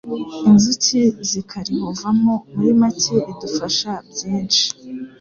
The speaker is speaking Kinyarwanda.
inzuki zikarihovamo muri make ridufasha byinshi,